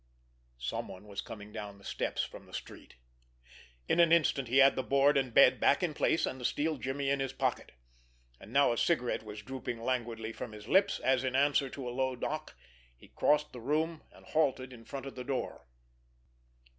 Someone was coming down the steps from the street. In an instant he had the board and bed back in place, and the steel jimmy in his pocket. And now a cigarette was drooping languidly from his lips, as, in answer to a low knock, he crossed the room, and halted in front of the door.